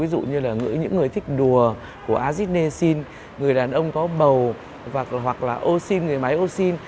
ví dụ như là những người thích đùa của aziz nesin người đàn ông có bầu hoặc là osin người máy osin